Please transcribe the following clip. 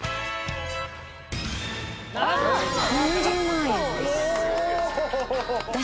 ７０万円です。